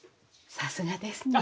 さすがですね。